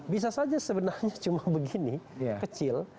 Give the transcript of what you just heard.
bisa saja sebenarnya cuma begini kecil